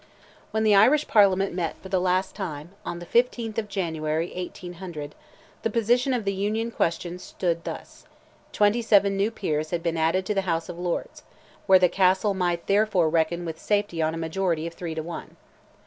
When the Irish Parliament met for the last time, on the 15th of January, 1800, the position of the Union question stood thus: 27 new Peers had been added to the House of Lords, where the Castle might therefore reckon with safety on a majority of three to one.